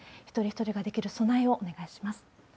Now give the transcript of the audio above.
一人一人ができる備えをお願いします。